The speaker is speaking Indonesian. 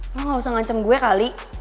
lo gak usah ngancem gue kali